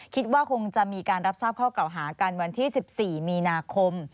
คิดว่าคงจะมีการรับทราบข้อเก่าหากันวันที่๑๔มีนาคม